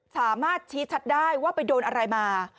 สามารถชี้ชัดได้ว่าไปโดนอะไรมา